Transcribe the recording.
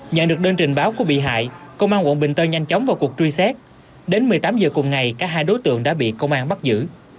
nhận được đơn trình báo của bị hại công an quận bình tân nhanh chóng vào cuộc truy xét đến một mươi tám h cùng ngày cả hai đối tượng đã bị công an bắt giữ